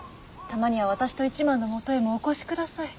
たまには私と一幡のもとへもお越しください。